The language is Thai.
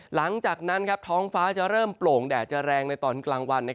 หลังจากนั้นท้องฟ้าจะเริ่มโปร่งแดดจะแรงในตอนกลางวัน